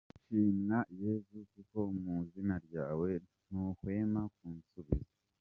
Shimwa Yesu kuko mu izina ryawe, ntuhwema kunsubiza.